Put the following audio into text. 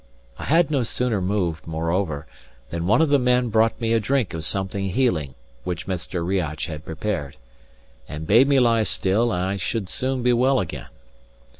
I had no sooner moved, moreover, than one of the men brought me a drink of something healing which Mr. Riach had prepared, and bade me lie still and I should soon be well again.